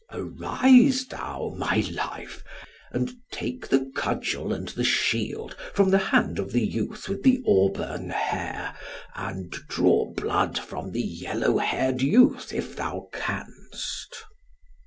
"Arise thou, my life, and take the cudgel and the shield from the hand of the youth with the auburn hair, and draw blood from the yellow haired youth, if thou canst."